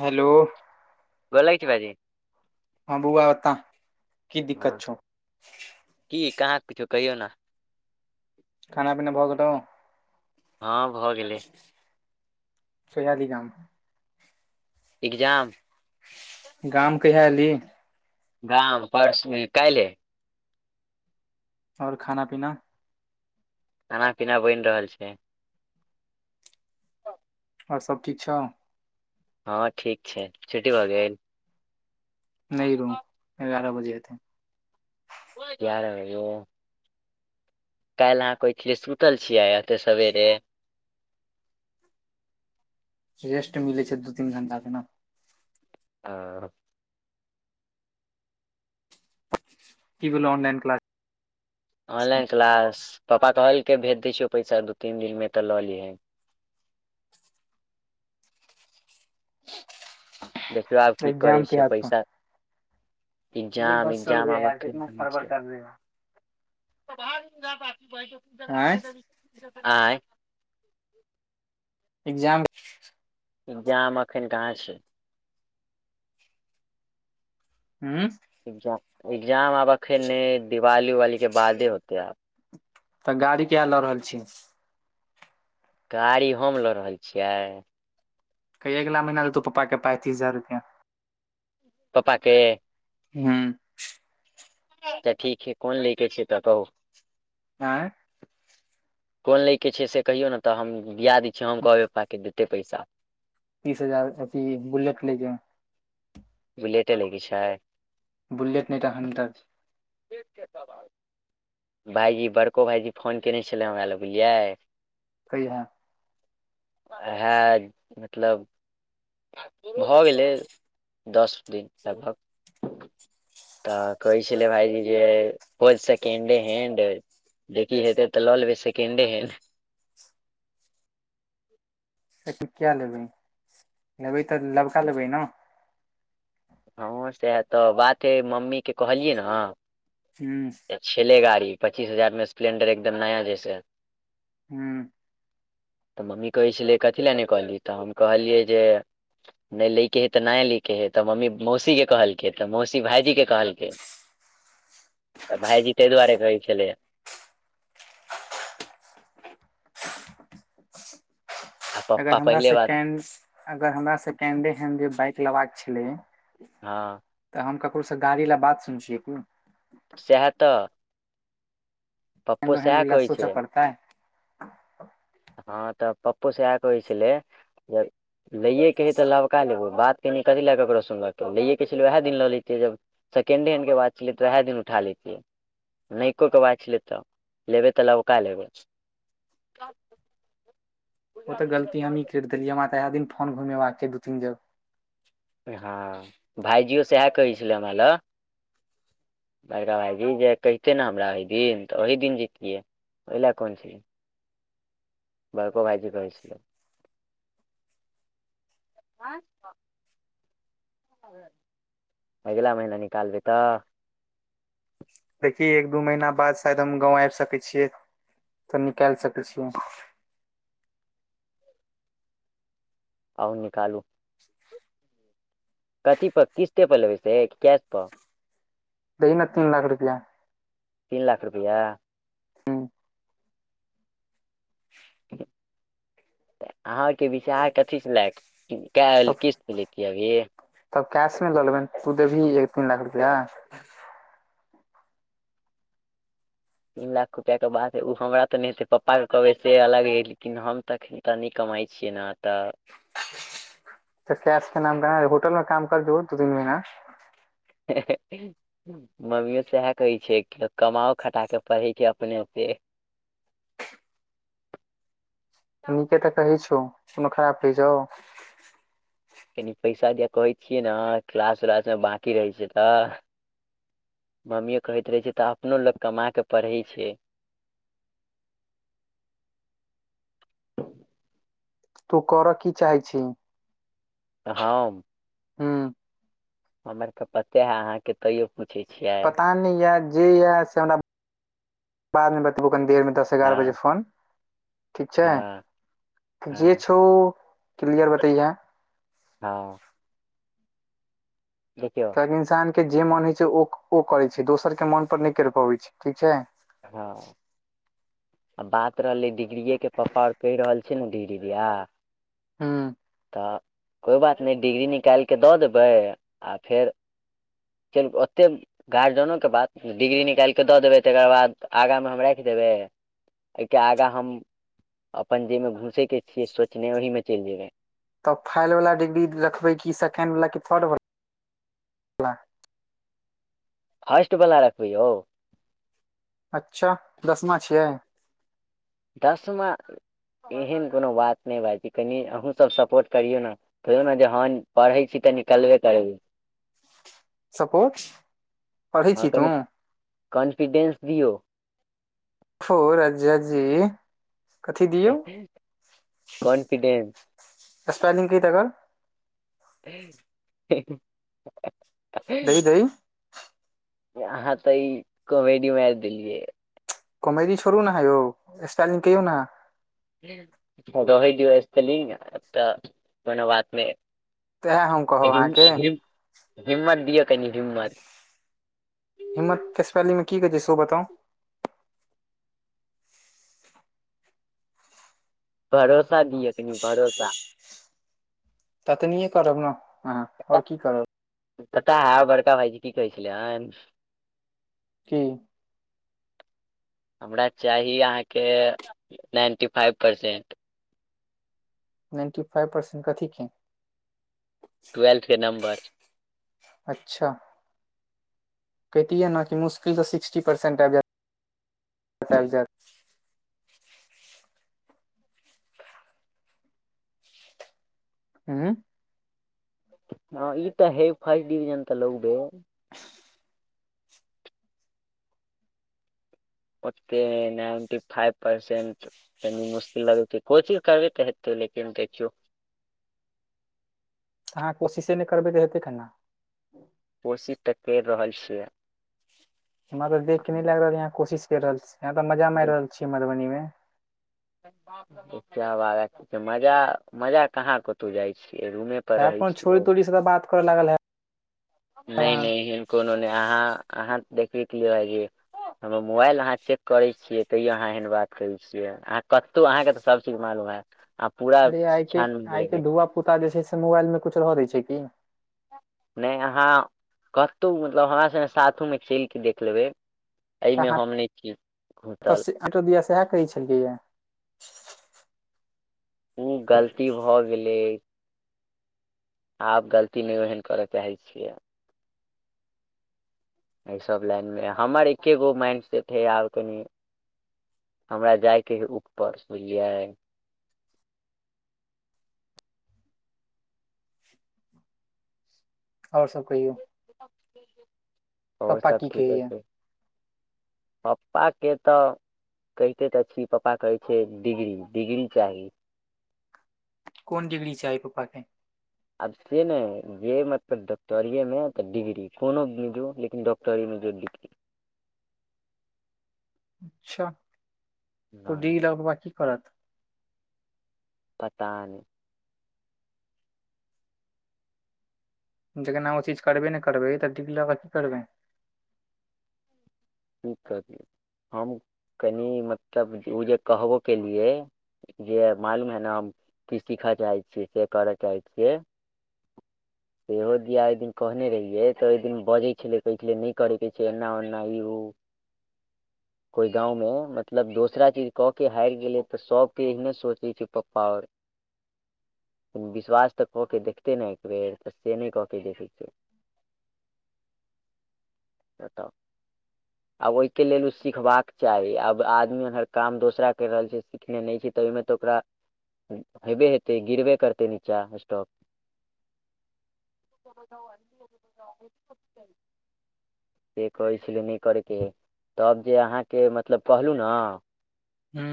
Hello भो लि [unintelligible] छै भाजी हँ बुआ बता की दिक्कत हँ छै? की कहाँ किछु कहियौ न। खाना पीना भऽ गेलो? हँ भऽ गेलै। कहिया ऐलिही गाँम मे? एग्जाम गाम कहिया एलही गाम परसोए काइले। और खाना पीना? खाना पीना बैन रहल छै। तऽ आओर सब ठछु छौ। हँ ठीक छै छुट्टी भऽ गेल। नई रहू एगारह बजे हतै। एगार बजे काईल्ह अहाँ कह सुतल छियै एते सवेरे रेस्ट मिलै छै, दू तीन घं्टा के नऽ। आ कि भेलो ऑनलाइन किलास ऑनलाइन क्लास पपापा कहलकै भेज दै छियौ पैसा दू तीन दिनमे तऽ, लऽ लिहँ देखियौ आब की करै एग्जाम छै, कहिया छौ पैसा अरे एग्जाम - बस चल ए्जाम भैया आब यार अखन कितना ब फरवर छै। कर रहे हो आँय [unintelligible] अँ ई एग्जाम एग्जाम एखन कहाँ छय। हू एग्जाम - एग्जाम आब अखन नहि दिवाली उवालीके बादे होतै आब तऽ गाड़ी किया लऽ रहल छी। गाड़ी हम लऽ रहल छियै। कही अगला महिना दे तू पप्पा के पाय तीस हजार रुैपआ पप्पा के हँ तऽ ठीक है कोन लै के छै, तऽ कहू आँय कोन लैके छै, से कहियौ ने तऽ, हम दिआ दै छियै हम कहबै पप्पाके देतै पैसा तीस हजार अथी बुलेट लेके बुलेटे लैके छै। बुलेट नै तऽ, हानडर ठीक छै तब आब भाइजी बड़को भाइजी फोन कयने छलै, हमरा लए बुझलियै। कहिया हए मतलब भऽ गेलै दस दिन लगभग तऽ कहै छलै, भाईजी जे कोन सेकेंडे हैंड देखि हेतै तऽ लऽ लेबै सेकेंडे हेन्ड त की किया लेबै लेबै तऽ, लबका लेबै नऽ। हँ सएह तऽ बात हइ मम्मीके कहलियै नऽ, ह छलेले गाड़ी पच्चीस हजार मे स्प्लेंडर एकदम नया जैस हूँ तऽ मम्मी कहैसलिए कथी लए नहि कहलियी तऽ हम कहलियै जे नइ लैके हइ तऽ नहि लैके हइ तऽ मम्मी मौसीके कहलकै तऽ मौसी भाइजीके कहलकै तऽ भाइजी ताईह दुआरे कहै छलै। आ अगर पप्पा हमरा पहिले से बात कें अगर हमरा सेकेंडे हैंड जे बाइक लेबाका छलै। हँ तऽ हम ककरोसँ गाड़ी लै बात सुन छियै कि। सेह तऽ पप्पो सेकेण्डों हेंड सएह ले कहै सोच छै परतय हँ त पप्पो से कहय छैले जे लये के हय त नवका लेबो बात कनी कथि ले ककरो सुनबें तु लये के छलय त उहे दिन ल लेतिय जब सेकेंडे हेण्ड के बात छलय त उहे दिन उठा लेतीय नयको के बात छलय त लेबैय त लबका लेबै [inaudible] ओ त गलती हमही करि देलिय हमरा वैह दिन फोन घुमेबाक चाही दू तीन जगह ह भाइजीयो सेह कहय छलय हमरा लग बड़का भाइजी जे कहितै ने हमरा ओहि दिन त ओही दिन जेतिये ओयला कोन छय। बड़को भाइजी कहय छैलै। [inaudible] अगिला महीना निकालबय त देखिही एक दू महीना बाद शायद हम गाँंव आबि सकय छिये त निकाल सकय छिये। आउ निकालु कथी पर किस्ते पर लेबय से की कैश पर दही न तीन लाख रुपया तीन लाख रुपैया अहाँ के विचार कथी सऽ लै के काइल तब किस्त पे लेतिये अभी तब कैश मे ल लेबन तू देबीह एक तीन लाख रुपया तीन लाख रुपैया के बात हइ ऊ हमरा त नहि हेतय पप्पा के कहबय से अलग हइ लेकिन हम त एखन हम त नय कमाय छियै नऽ तऽ त कैश के नाम कहा होटल में काम कर दियो दू तीन महिना हे ह मम्मीयों सेहे कहय छय कि कमाओं खटा क पढिय छय अपने पें नीके त कहय छउ कोनो खराब कहय छउ। कनि पैसा दिये कहय छिय न क्लास-उलास मे बाकी रहय छय त मम्मीयो कहैत रहय छय त अपनो लोग कमा क पढ़िय छय। तुं कर की चाहय छी। हम हुं हमर तऽ पते है अहाँ के तयो पुछय छियै। पता नय यै जेहिया से हमरा, बाद मे बतेबो कनी देर में दस हँ ग्यारह बजे फोन ठीक हँ छय जे हँ छोउ क्लियर बतयहें हँ देखियौ इंसान के जे मन होय छय ओ ओ करय छय दोसर के मन पर नहि करि पबय छय ठीक छय। हँ आ बात रहलय डिग्रीेये के पप्पा और कहि रहल छय ने डिग्री दिया। हूँ। त कोइ बात नय डिग्री निकालि क द देबय आ फेर चलु ओते गार्जियनो के बात डिग्री निकालि क द देबय तकर बाद आगा मे हम राखि देबय एहिके आगा हम अपन जहि मे घुसय के छिय सोचने ओहि में चलि जेबय। तब फाइल वला डिग्री रखबय कि सेकेण्ड वला कि थर्डवला। फर्स्ट बला रखबय यौ। अच्छा दसमा छियै? दसमा एहन कोनो बात नहि भाइजी कनि अहूँसभ सपोर्ट करियौ ना। कहियो न जे हँ पढ़ै छी तऽ निकलबे करबै। सपोर्ट परेहैय हँ छीहि तू। कनि कॉन्फिडेंस दियऔ। हो राजा जी। कथी दियौ कॉन्फिडेंस। स्पेलिंग कहि त अकर। [unintelligible] दही दही। अहाँ तऽ ई कॉमेडी माईर देलियै। कोमेडी छोरु छोड़ू ने आहा यौ स्पेलिंग कहियौ ना। रहय दियऔ स्पेलिंग तऽ कोनो बात नै। तऽ इएह हम कहब लेकिन अहाँके हिम हिम्मत दिअ कनि हिम्मत। हिम्मत के स्पेलिंग की कहै छै सेहो बताउ? भरोसा दियअ कनि भरोसा। ततनियें करब न आहाँ पता और की करब। पता है आ बड़का भाईजी की कहै छलै हन। की? हमरा चाही अहाँ के ninety five percent. Ninety five percent कथी के? ट्वेल्थ के नम्बर। अच्छा। कहिति यै न कि मुश्किल सऽ सिक्सटी परसेंट आइब जएयत त आइब जाएत। उम। हँ ई त है फस्ट डीविजन त लौबै। [unintelligible] ओते नाइंटी फाइप पर्सेंट कनि मुश्किल लगतै छै कोशिश करबे तऽ हेतै लेकिन देखियौ। अहाँ कोशिशे नई करबै तऽ हतैे केना? कोशिश तऽ केर रेहल छियै। हमरा त देख के नहि लागि रहल अइ आहाँ कोशिश कर रहल छी आहाँं त मजा माईर देखियौ रहल छी मधुबनी मे। [unintelligible] मजा मजा कहाँ कतू जाइ छियै रूमे पर हैब रहै कूनू छोरी छियै तोरी सब स त बात करे लागल हैब। नए अहाँ नए ऐहन कोनो नहि अहाँ अहाँ देखबे के लिया भाईजी। हमर मोबाइल अहाँ चेक करैत छियै तैयो अहाँ एहन बात करै छियै अहाँ कतहु अहाँ के तऽ सबचीज मालूम हैत। अरे आइ के आइ के धुआ पुता जे छै से मोबाइल मे कुछ रह दै छै की? नैए अहाँ कतहु मतलब हमरा सँगे साथो मे चइल कऽ देख लेबै अईमे हम नहि छी घुसल आटो दिया सेह कहै छलियै यै। उ गलती भऽ गेलै। आब गलती नहि ओहन करऽ चाहै छियै। एईसब लाइन मे हमर एक्के गो माइंड सेट हए आब कनि हमरा जायके हय ऊपर बुझलियै ओर सब कहियौ ओर पप्पा सब की ठीके छै। [unintelligible] पप्पा के तऽ कहिते तऽ छी पप्पा कहै छै। डिग्री डिग्री चाही कोन डीग्री चाही पप्पा के आब से नहि जे मतलब डॉक्टरीएमे तऽ डिग्री कोनोमे जो लेकिन डॉक्टरीमे जो डिग्री अच्छा तऽ नहि डीगी लॉक बाद की करत पता नै। जेखन अहा ओ चीज करबे ने करबै तऽ डिग्री लऽ कऽ की करबै की करिये हम कनि मतलब जे ओ जे कहबो केलियै जे मालूम है न हम कि सीख चाहै छियै। से कर चाहै छियै। इहो दिया अहि दिन कहने रहिये तऽ ओय दिन बजै छलै कहै छलै नहि करे के छै एना ओना ई ओ कोइ गाँवमे मतलब दोसरा चीज क के हारि गेलै तऽ सबके एहने सोचै छै पप्पा ओर विश्वास तऽ कऽ के देखतै ने एक बेेर तऽ से नहि कऽ के देखै छय। बताऊ आब ओहिके लेल ओ सिखबाक चाही आब आदमी एमहर काम दोसरा करि रहल छै। स सिखने नइ छय। तहिमे तऽ ओकरा हेबे हेतै गिरबे करतै नीचा स्टॉक [unintelligible] से कहै छैलै न करैके तब जे अहाँके मतलब कहलु नऽ हू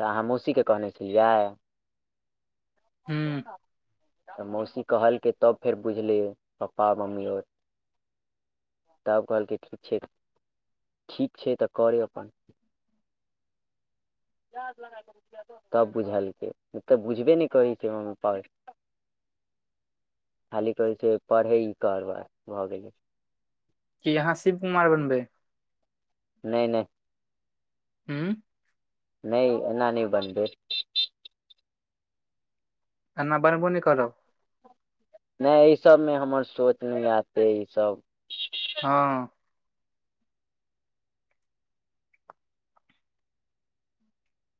तऽ अहाँ मौसीके कहने छलियै। हू तऽ मौसी कहलकै तब फेर बुझलै पप्पा-मम्मी ओर तब कहलके ठीक छै। ठीक छै। तऽ करेऽ अपन तब बुझलके नहि तऽ बुझबे नै कहै छै मम्मी पाबै खाली कहे छै। पढ़ैइल कर बस भऽ गैलै। कि अहाँ शिव कुमार बनबै नहि नहि हूँ नैय एना नहि बनबे। अना बनबौ नैय करब नहि एहि सभमे हमर सोच नहि आत से ई सब हँ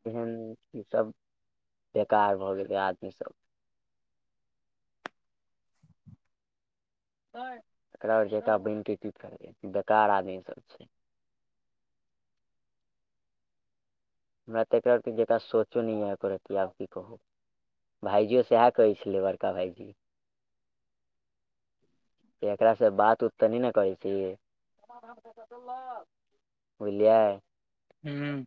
एहन ई सब बेकार भऽ गेलै आदमीसभ। एकरा सब जेंका बैन क की करबै बेकार आदमी सब छै। हमरा त एकरा सब जेंका सोचो नहि यै एकोरती आब की कहू। भाइजियो सएह कहै छलै बड़का भाईजी एकरासे बात उत त नै ने करै छीही। [unintelligible] बुझलियै। हूं।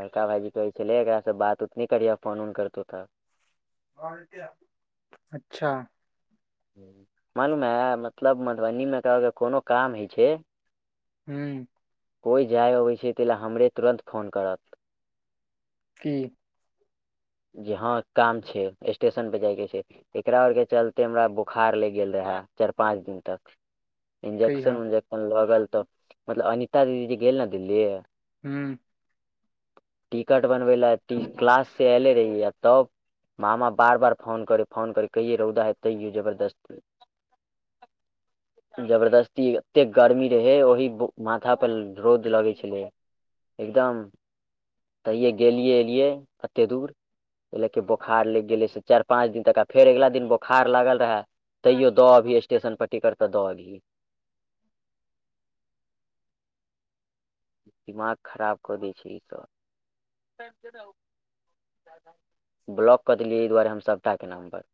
बड़का भाइजी कहै छलै एकरासे बात उत नै करिहै फोन उन करतौ तऽ। अच्छा मालूम है मतलब मधुबनीमे एकरा और के कोनो काम होइ छै हूं कोइ जाइ अबै छै ताहि ला लेल हमरे तुरन्त फोन करत। की? जे हँ काम छै, स्टेशन पे जायके छै। एकरा और के चलते हमरा बोखार लैग गेल रहै चारि पाँच दिन तक इंजेक्शन कहिया उन्जेक्शन लगल तऽ मतलब अनिता दीदी जी गेल ने दिल्ली हूँ टिकट बनबै लए क्लास से ऐले रही आ तब मामा बार बार फोन करै फोन करै कहियै रौउदा यहै तैयो जबर्दस्ती [inaudible] जबरदस्ती एते गर्मी रहे ओहि बु माथा पर रौद लगै छलै एकदम तहिये गेलियै एलियै एते दूर एहि लऽ के बोखार लगि गेलै से चारि पाँच दिन तक आ फेर अगिला दिन बोखार लागल रहए तैयो दऽ अबही स्टेशन पर टिकट तऽ दऽ अबही। दिमाग खराब कऽ दै छैय ईसब। ब्लॉक कऽ देलियै एहि दुआरे हम सभटाके नम्बर।